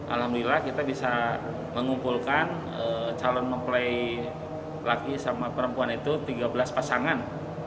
alhamdulillah kita bisa mengumpulkan calon mempelai laki sama perempuan itu tiga belas pasangan